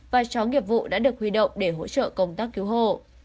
và chó nghiệp vụ đã được huy động để hỗ trợ công tác cứu hộ